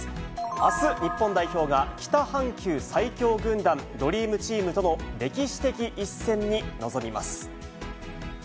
あす、日本代表が北半球最強軍団、ドリームチームとの歴史的一戦に臨みます。